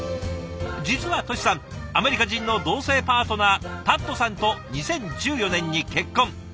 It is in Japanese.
実はトシさんアメリカ人の同性パートナータッドさんと２０１４年に結婚。